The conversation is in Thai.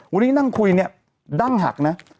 วันนี้นั่งคุยเนี่ยดั้งหักนะ